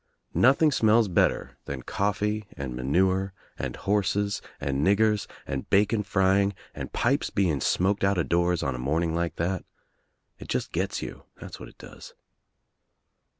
Nothing smells better than coffee and manure 12 THE TRIUMPH OF THE EGG and horses and niggers and bacon frying and pipes being smoked out of doors on a morning like that. It just gets you, that's what it docs.